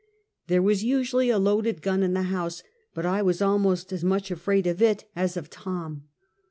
There was usually a loaded gun in the house, but I was almost as much afraid of it as of Tom.